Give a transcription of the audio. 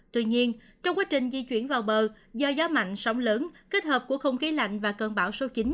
tuy nhiên trong quá trình di chuyển vào bờ do gió mạnh sóng lớn kết hợp của không khí lạnh và cơn bão số chín